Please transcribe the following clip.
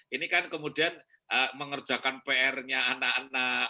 ini kan kemudian mengerjakan pr nya anak anak